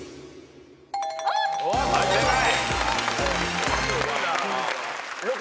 はい正解。